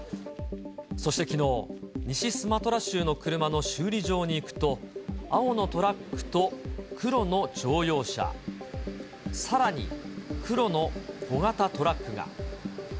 そしてきのう、西スマトラ州の車の修理場に行くと、青のトラックと、黒の乗用車、さらに、黒の小型トラックが。